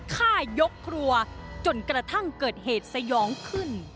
ฆ่ายกครัวจนกระทั่งเกิดเหตุสยองขึ้น